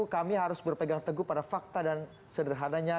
kami harus berpegang teguh pada fakta dan sederhananya